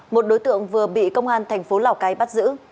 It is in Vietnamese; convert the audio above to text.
một đối tượng vừa bị công an thành phố lào cai bắt giữ